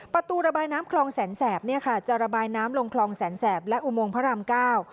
ประตูระบายน้ำคลองแสนแสบเนี่ยค่ะจะระบายน้ำลงคลองแสนแสบและอุโมงพระรามเก้า